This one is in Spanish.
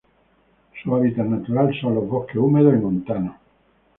Su hábitat natural son los bosques húmedos y montanos.